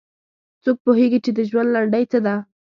څوک پوهیږي چې د ژوند لنډۍ څه ده